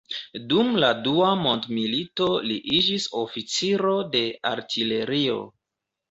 Dum la Dua Mondmilito, li iĝis oficiro de artilerio.